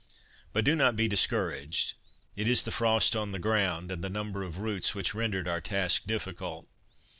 —But do not be discouraged; it is the frost on the ground, and the number of roots, which rendered our task difficult.